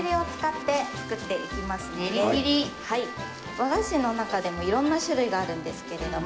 和菓子の中でもいろんな種類があるんですけれども。